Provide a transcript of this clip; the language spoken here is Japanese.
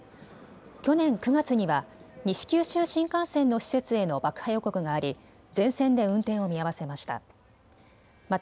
去年９月には西九州新幹線の施設への爆破予告があり全線で運転を見合わせました。